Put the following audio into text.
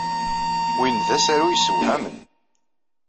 Win d asaru yessewhamen.